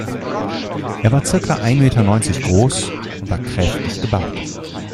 Er war circa ein Meter neunzig groß und war kräftig gebaut.